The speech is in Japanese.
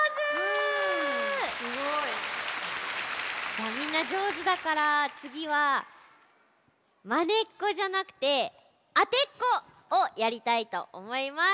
もうみんなじょうずだからつぎはまねっこじゃなくてあてっこをやりたいとおもいます。